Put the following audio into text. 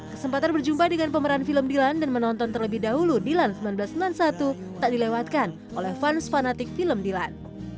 kesempatan berjumpa dengan pemeran film dilan dan menonton terlebih dahulu dilan seribu sembilan ratus sembilan puluh satu tak dilewatkan oleh fans fanatik film dilan